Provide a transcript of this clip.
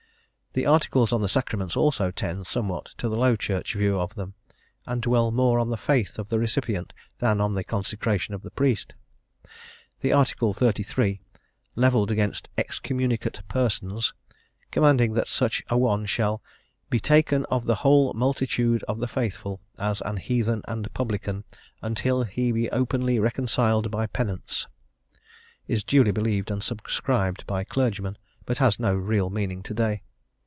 The Articles on the Sacraments also tend somewhat to the Low Church view of them, and dwell more on the faith of the recipient than on the consecration of the priest. The Article (XXXIII.) levelled against "excommunicate persons," commanding that such an one shall "be taken of the whole multitude of the faithful, as an Heathen and Publican, until he be openly reconciled by penance," is duly believed and subscribed by clergymen, but has no real meaning to day.